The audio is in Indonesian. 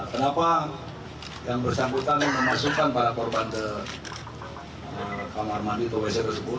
kenapa yang bersangkutan memasukkan para korban ke kamar mandi atau wc tersebut